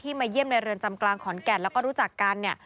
มาเยี่ยมในเรือนจำกลางขอนแก่นแล้วก็รู้จักกันเนี่ย